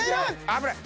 危ない。